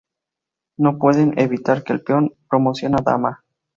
No pueden evitar que el peón promociona a Dama.